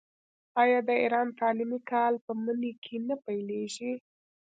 آیا د ایران تعلیمي کال په مني کې نه پیلیږي؟